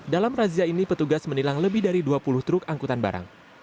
dalam razia ini petugas menilang lebih dari dua puluh truk angkutan barang